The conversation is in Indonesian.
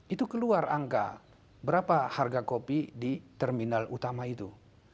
itu keluar angka berapa harga kopi di terminal utama itu